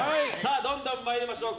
どんどん参りましょう。